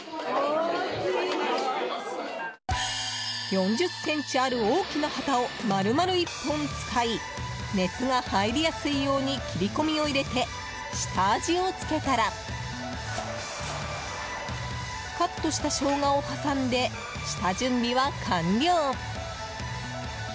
４０ｃｍある大きなハタを丸々１本使い熱が入りやすいように切り込みを入れて下味をつけたらカットしたショウガを挟んで下準備は完了。